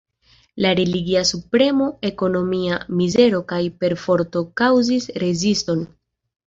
La religia subpremo, ekonomia mizero kaj perforto kaŭzis reziston.